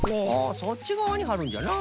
あそっちがわにはるんじゃな。